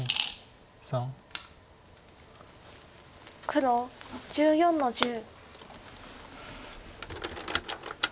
黒１４の十。